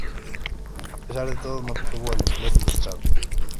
A pesar de todo, no obtuvo el empleo solicitado.